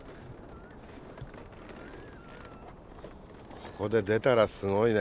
ここで出たらすごいね。